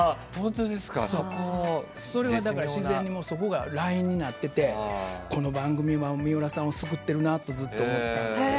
それは自然にそこがラインになっていてこの番組は水卜さんを救ってるなとずっと思っていたんですけど。